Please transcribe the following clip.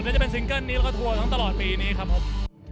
จะเป็นซิงเกิ้ลนี้แล้วก็ทัวร์ทั้งตลอดปีนี้ครับผม